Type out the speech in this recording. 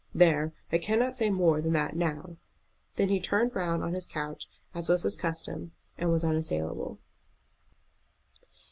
There! I cannot say more than that now." Then he turned round on his couch, as was his custom, and was unassailable.